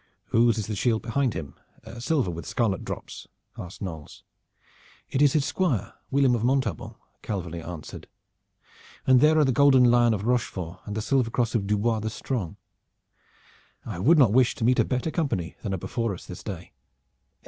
"Whose is the shield behind him silver with scarlet drops?" asked Knolles. "It is his Squire, William of Montaubon," Calverly answered. "And there are the golden lion of Rochefort and the silver cross of Du Bois the Strong. I would not wish to meet a better company than are before us this day.